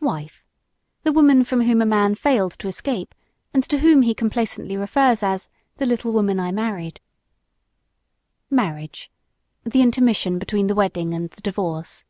WIFE: The woman from whom a man failed to escape and to whom he complacently refers as "the little woman I married." MARRIAGE: The intermission between the wedding and the divorce.